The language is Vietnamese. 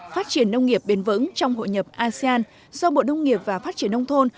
phát triển nông nghiệp bền vững trong hội nhập asean do bộ nông nghiệp và phát triển nông thôn